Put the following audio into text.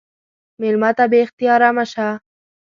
مېلمه ته بې اختیاره مه شه.